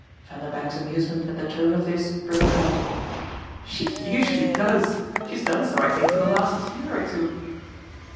Vanderbank's amusement at the tone of this broke out. "She usually does! She has done so, I think, for the last year or two."